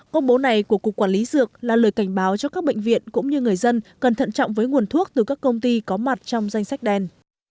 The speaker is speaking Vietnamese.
công bố này của cục quản lý dược là lời cảnh báo cho các bệnh viện cũng như người dân cần thận trọng với nguồn thuốc từ các công ty có mặt trong danh sách đen